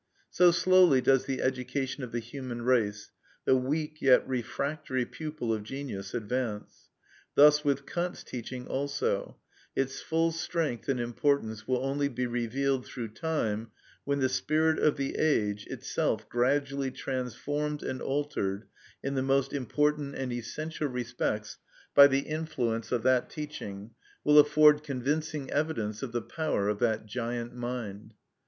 So slowly does the education of the human race, the weak yet refractory pupil of genius, advance. Thus with Kant's teaching also; its full strength and importance will only be revealed through time, when the spirit of the age, itself gradually transformed and altered in the most important and essential respects by the influence of that teaching, will afford convincing evidence of the power of that giant mind.